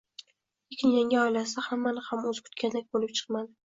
Lekin yangi oilasida hammasi ham o`zi kutganidek bo`lib chiqmadi